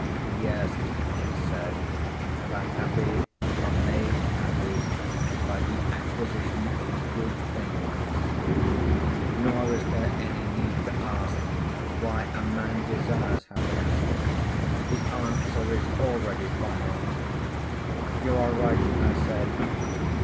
'Yes,' she said, 'the happy are made happy by the acquisition of good things. Nor is there any need to ask why a man desires happiness; the answer is already final.' 'You are right.' I said.